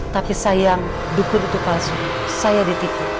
tapi sayang dukun itu palsu saya ditikut